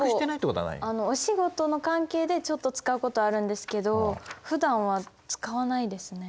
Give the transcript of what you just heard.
お仕事の関係でちょっと使うことはあるんですけどふだんは使わないですね。